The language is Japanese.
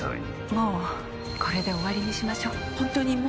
もうこれで終わりにしましょう。